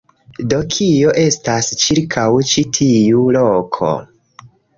Do, kio estas ĉirkaŭ ĉi tiu loko?